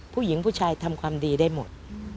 ผู้หญิงผู้ชายทำความดีได้หมด